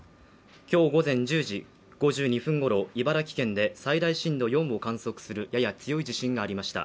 今日午前１０時５２分頃、茨城県で最大震度４を観測するやや強い地震がありました。